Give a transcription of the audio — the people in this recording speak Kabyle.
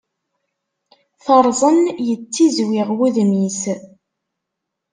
Teṛẓen, yettiẓwiɣ wudem-is.